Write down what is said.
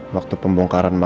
waktu pembongkaran makam roy